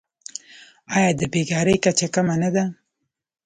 آیا د بیکارۍ کچه کمه نه ده؟